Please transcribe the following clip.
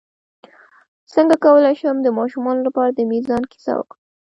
څنګه کولی شم د ماشومانو لپاره د میزان کیسه وکړم